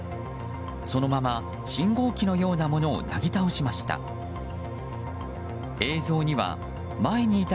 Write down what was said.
そのまま信号機のようなものをなぎ倒しました。